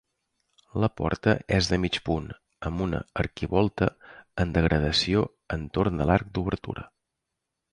La porta és de mig punt, amb una arquivolta en degradació entorn de l'arc d'obertura.